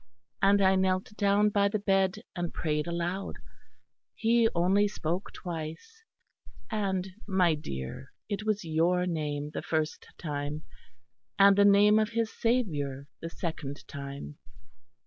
And I knelt down by the bed and prayed aloud; he only spoke twice; and, my dear, it was your name the first time, and the name of His Saviour the second time.